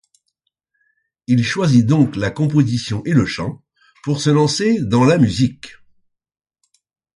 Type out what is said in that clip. Il choisit donc la composition et le chant pour se lancer dans la musique.